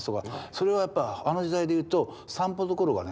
それはやっぱあの時代で言うと３歩どころかね